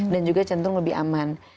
dan juga centur lebih aman